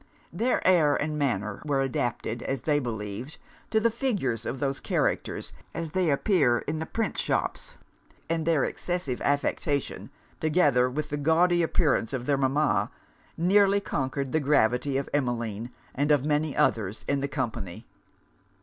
Their air and manner were adapted, as they believed, to the figures of those characters as they appear in the print shops; and their excessive affectation, together with the gaudy appearance of their mama, nearly conquered the gravity of Emmeline and of many others of the company.